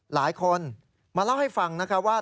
หลายคนมาเล่าให้ฟังนะคะว่า